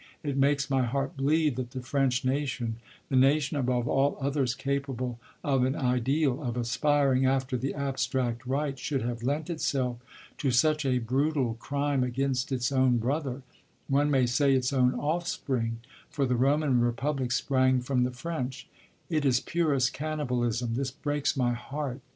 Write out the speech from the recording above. It makes my heart bleed that the French nation, the nation above all others capable of an ideal, of aspiring after the abstract right, should have lent itself to such a brutal crime against its own brother one may say its own offspring, for the Roman Republic sprang from the French; it is purest cannibalism; this breaks my heart.